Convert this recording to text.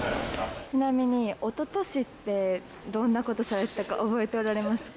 ちなみにおととしって、どのようなことされてたか覚えておられますか？